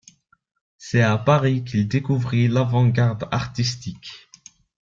C’est à Paris qu’il découvrit l’avant-garde artistique.